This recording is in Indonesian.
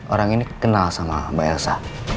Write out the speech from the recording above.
orang ini kenal sama mbak elsa